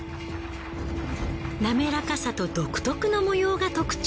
なめらかさと独特の模様が特徴。